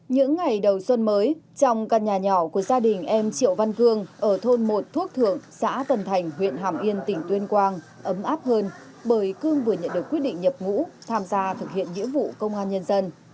những ngày đầu xuân mới trong căn nhà nhỏ của gia đình em triệu văn cương ở thôn một thuốc thượng xã tân thành huyện hàm yên tỉnh tuyên quang ấm áp hơn bởi cương vừa nhận được quyết định nhập ngũ tham gia thực hiện nghĩa vụ công an nhân dân